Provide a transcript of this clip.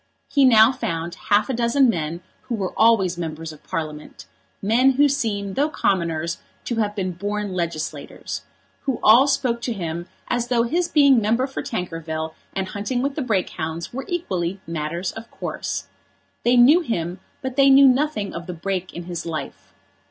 He now found half a dozen men who were always members of Parliament, men who seem, though commoners, to have been born legislators, who all spoke to him as though his being member for Tankerville and hunting with the Brake hounds were equally matters of course. They knew him, but they knew nothing of the break in his life.